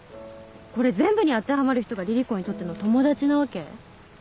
これ全部に当てはまる人が凛々子にとっての友達なわけ？